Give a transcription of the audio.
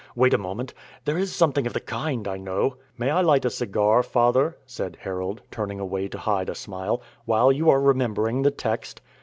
Wait a moment; there is something of that kind, I know." "May I light a cigar, father," said Harold, turning away to hide a smile, "while you are remembering the text?"